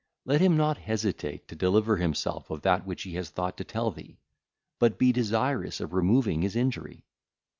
Let him not hesitate to deliver himself of that which he hath thought to tell thee; but be desirous of removing his injury.